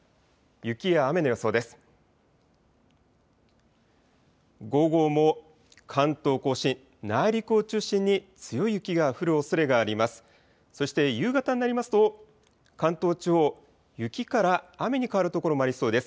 雪や雨の予想です。